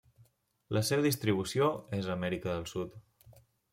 La seva distribució és a Amèrica del Sud.